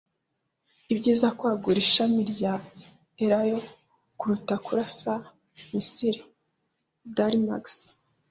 Ibyiza kwagura ishami rya elayo kuruta kurasa misile. (darinmex)